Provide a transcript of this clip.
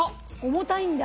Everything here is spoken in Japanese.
重たいんだ。